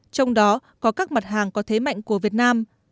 trong đó có các mặt hàng có thế mạnh của việt nam